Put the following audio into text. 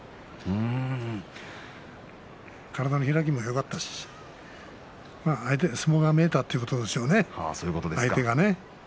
体の開きもよかったし相撲が見えたということでしょうね相手が。